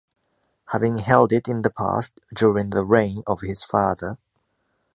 Having held it in the past, during the reign of his father.